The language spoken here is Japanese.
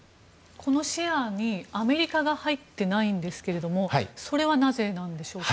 このシェアにアメリカが入ってないんですけれどもそれはなぜなんでしょうか。